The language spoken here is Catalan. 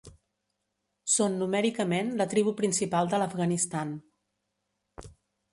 Són numèricament la tribu principal de l'Afganistan.